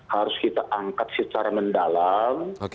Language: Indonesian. harus kita angkat secara mendalam